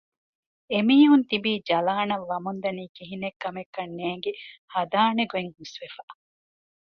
އެމީހުން ތިބީ ޖަލާނަށް ވަމުންދަނީ ކިހިނެއް ކަމެއްކަން ނޭންގި ހަދާނެ ގޮތް ހުސްވެފަ